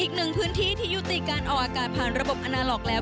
อีกหนึ่งพื้นที่ที่ยุติการออกอากาศผ่านระบบอนาล็อกแล้ว